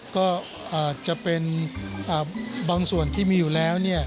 ก็อาจจะเป็นบางส่วนที่มีอยู่แล้ว